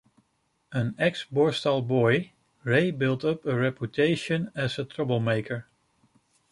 An ex-borstal boy, Ray built up a reputation as a troublemaker.